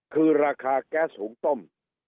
คือราคาแก๊สหุงต้ม